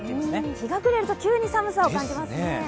日が暮れると急に寒さを感じますね。